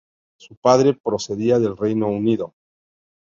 Su padre procedía del Reino Unido.